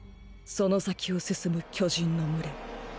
その先を進む巨人の群れ。